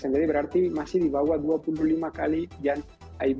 jadi berarti masih di bawah dua puluh lima kali yang id